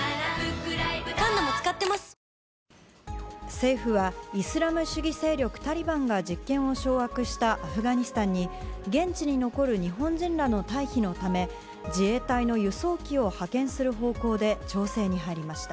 政府はイスラム主義勢力タリバンが実権を掌握したアフガニスタンに現地に残る日本人らの退避のため自衛隊の輸送機を派遣する方向で調整に入りました。